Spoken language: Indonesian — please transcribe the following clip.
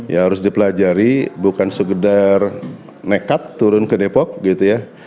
ya harus dipelajari bukan segedar nekat turun ke depok gitu ya